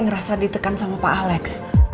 ngerasa ditekan sama pak alex